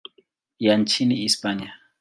ya nchini Hispania.